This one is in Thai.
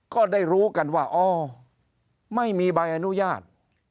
ก็ได้รู้กันว่าอ๋อไม่มีใบอนุญาต